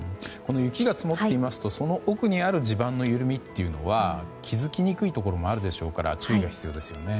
雪が積もっていますとその奥にある地盤のゆるみというのには気づきにくいところもあるでしょうから注意が必要ですよね。